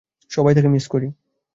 সবাই তাকে মিস করি।